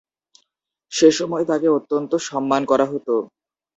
সে সময় তাঁকে অত্যন্ত সম্মান করা হতো।